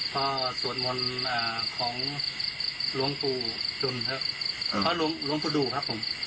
พอสวดมนต์ของดวงปุ้งรวงปุดุครับผม